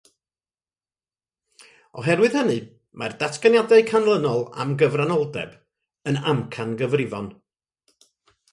Oherwydd hynny, mae'r datganiadau canlynol am gyfranoldeb yn amcangyfrifon.